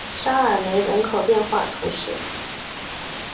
沙尔梅人口变化图示